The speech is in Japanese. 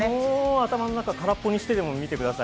頭の中空っぽにしてみてください。